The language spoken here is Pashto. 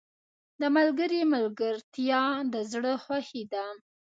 • د ملګري ملګرتیا د زړه خوښي ده.